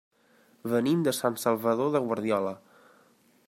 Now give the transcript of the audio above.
Venim de Sant Salvador de Guardiola.